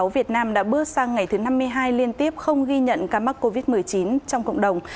việt nam đã bước sang ngày thứ năm mươi hai liên tiếp không ghi nhận ca mắc covid một mươi chín trong cộng đồng